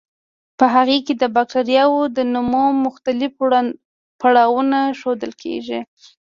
په هغې کې د بکټریاوو د نمو مختلف پړاوونه ښودل کیږي.